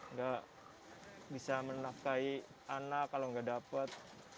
nggak bisa menafkai anak kalau nggak dapat